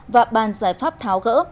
và bàn giải pháp tháo gỡ